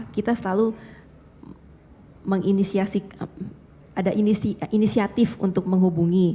kita selalu menginisiasi ada inisiatif untuk menghubungi